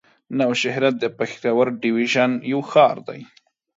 نوشهره د پېښور ډويژن يو ښار دی.